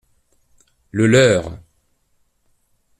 Le leur.